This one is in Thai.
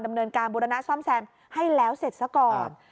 ดำเนินการบุรณะซ่อมแซมให้แล้วเสร็จซะก่อน